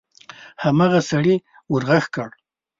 هماغه سړي ور غږ کړل: